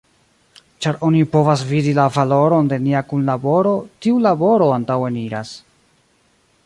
Ĉar oni povas vidi la valoron de nia kunlaboro, tiu laboro antaŭeniras.